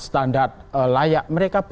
standar layak mereka